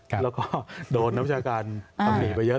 แล้วก็โดนนักวิชาการตำหนีไปเยอะ